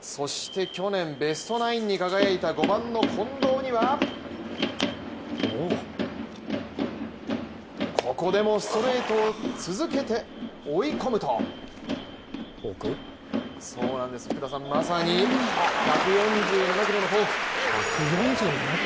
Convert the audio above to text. そして、去年ベストナインに輝いた５番の近藤にはここでもストレートを続けて追い込むと１４７キロのフォーク。